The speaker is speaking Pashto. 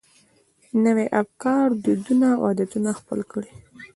نوي افکار، دودونه او عادتونه خپل کړي.